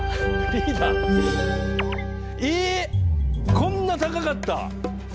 こんな高かった？